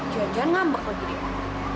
jangan jangan ngambek kok jadi itu